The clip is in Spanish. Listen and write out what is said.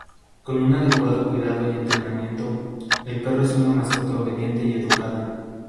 Con un adecuado cuidado y entrenamiento, el perro es una mascota obediente y educada.